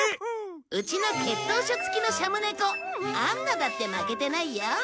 うちの血統書付きのシャムネコアンナだって負けてないよ！